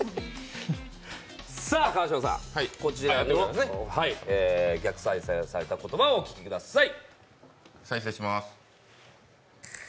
こちらの逆再生された言葉お聞きください。